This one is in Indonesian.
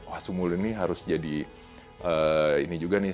wah sumul ini harus jadi ini juga nih